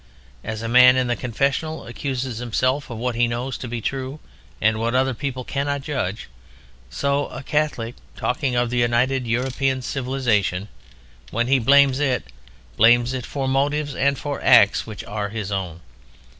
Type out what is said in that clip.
As a man in the confessional accuses himself of what he knows to be true and what other people cannot judge, so a Catholic, talking of the united European civilization, when he blames it, blames it for motives and for acts which are his own.